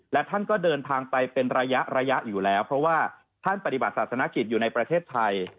และท่านก็เดินทางไปเป็นระยะระยะอยู่แล้วเพราะว่าท่านปฏิบัติศาสนกิจอยู่ในประเทศไทย